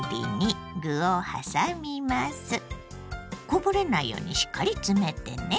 こぼれないようにしっかり詰めてね。